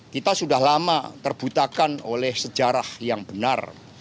kita sudah lama terbutakan oleh sejarah yang benar